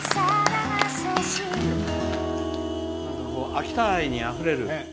秋田愛にあふれる。